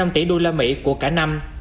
hai mươi năm tỷ đô la mỹ của cả năm